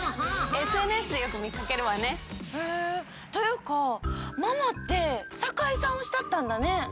ＳＮＳでよくみかけるわね。というかママって酒井さん推しだったんだね！